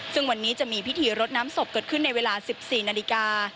ซึ่งวันนี้จะมีพิธีรดน้ำศพเกิดขึ้นในเวลา๑๔นาฬิกา